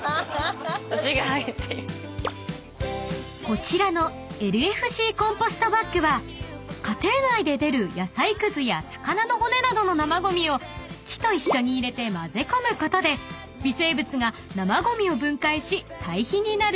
［こちらのＬＦＣコンポストバッグは家庭内で出る野菜くずや魚の骨などの生ごみを土と一緒に入れて交ぜ込むことで微生物が生ごみを分解し堆肥になる優れもの］